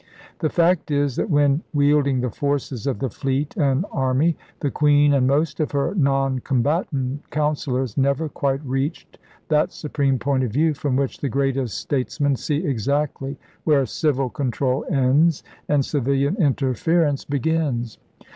The fact is that when wielding the forces of the fleet and army the Queen and most of her non combatant councillors never quite reached that supreme point of view from which the greatest statesmen see exactly where civil control ends and civilian interference begins.